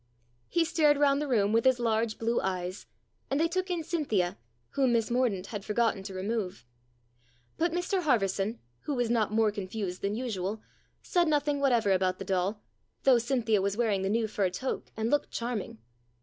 He stared round the room with his large blue eyes, and they took in Cynthia, whom Miss Mor daunt had forgotten to remove. But Mr Harverson, who was not more confused than usual, said nothing whatever about the doll, though Cynthia was wearing the new fur toque and looked charming.